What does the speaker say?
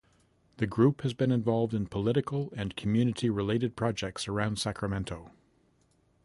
The group has been involved in political and community-related projects around Sacramento.